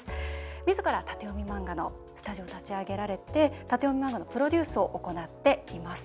みずから縦読み漫画のスタジオを立ち上げられて縦読み漫画のプロデュースを行っています。